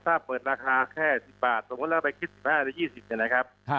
ถ้าเปิดราคาแค่๑๐บาทสมมุติแล้วไปคิด๑๕หรือ๒๐เนี่ยนะครับ